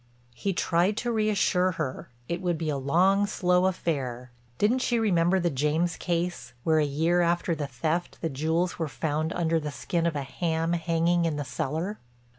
He tried to reassure her—it would be a long slow affair—didn't she remember the James case, where a year after the theft the jewels were found under the skin of a ham hanging in the cellar?